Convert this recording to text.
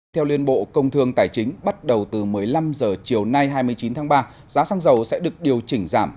theo liên bộ công thương tài chính bắt đầu từ một mươi năm h chiều nay hai mươi chín tháng ba giá xăng dầu sẽ được điều chỉnh giảm